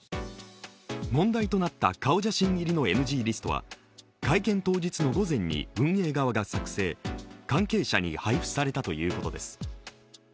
問題となった顔写真入りのＮＧリストは会見当日の午前に運営側が作成関係者に配布されたということです。